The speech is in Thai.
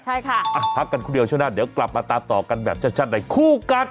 ใช่ค่ะพักกันครู่เดียวช่วงหน้าเดี๋ยวกลับมาตามต่อกันแบบชัดในคู่กัด